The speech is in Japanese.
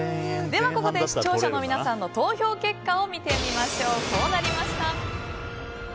ここで視聴者の皆さんの投票結果を見てみましょう。